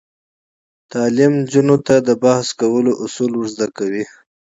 تعلیم نجونو ته د بحث کولو اصول ور زده کوي.